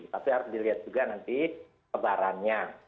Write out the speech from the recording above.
tapi harus dilihat juga nanti kebarannya